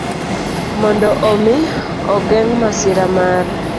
Mondo omi ogeng ' masira mar